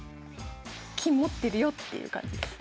金持ってるよっていう感じです。